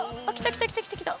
来た来た来た来た。